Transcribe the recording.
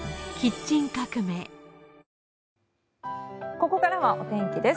ここからはお天気です。